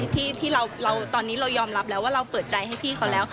ที่ตอนนี้เรายอมรับแล้วว่าเราเปิดใจให้พี่เขาแล้ว